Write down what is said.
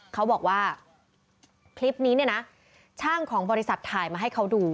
เขาบอกว่าคลิปนี้เนี่ยนะช่างของบริษัทถ่ายมาให้เขาดู